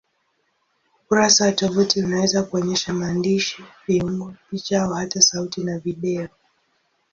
Ukurasa wa tovuti unaweza kuonyesha maandishi, viungo, picha au hata sauti na video.